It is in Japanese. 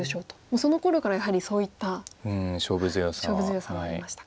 そのころからやはりそういった勝負強さはありましたか。